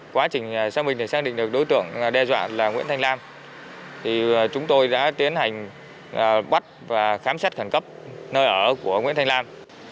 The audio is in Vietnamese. quá trình xác minh thì xác định được đối tượng đe dọa là nguyễn thanh lam chúng tôi đã tiến hành bắt và khám xét khẩn cấp nơi ở của nguyễn thanh lam